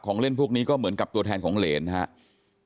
เล่นพวกนี้ก็เหมือนกับตัวแทนของเหรนนะครับ